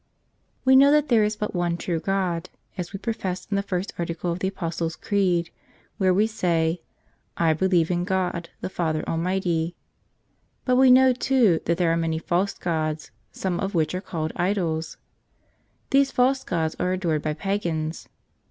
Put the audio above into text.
' j M W E know that there is but one true God, as M M I we profess in the first article of the Apos ties' Creed where we say, "I believe in God, the Father almighty." But we know, too, that there are many false gods, some of which are called idols. These false gods are adored by pagans.